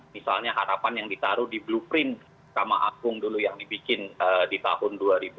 misalnya harapan yang ditaruh di blueprint mahkamah agung dulu yang dibikin di tahun dua ribu empat dua ribu lima